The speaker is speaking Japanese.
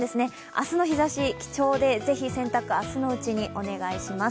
明日の日ざし、ぜひ洗濯、明日のうちにお願いします。